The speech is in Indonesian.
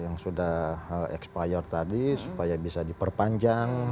yang sudah expired tadi supaya bisa diperpanjang